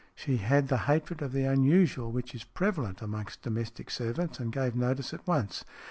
She had the hatred of the unusual which is prevalent amongst domestic servants, and gave notice at once.